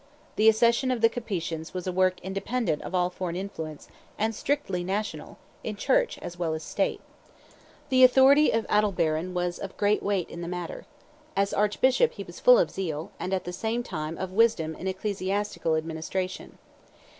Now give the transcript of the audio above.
The accession of the Capetians was a work independent of all foreign influence, and strictly national, in Church as well as in State. The authority of Adalberon was of great weight in the matter. As archbishop he was full of zeal, and at the same time of wisdom in ecclesiastical administration.